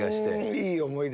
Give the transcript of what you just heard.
いい思い出。